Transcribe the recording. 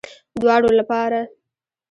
دواړو لپاره